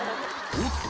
［おっと？